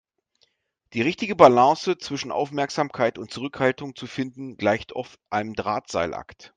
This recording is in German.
Die richtige Balance zwischen Aufmerksamkeit und Zurückhaltung zu finden, gleicht oft einem Drahtseilakt.